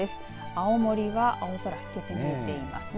青森は青空透けて見えていますね。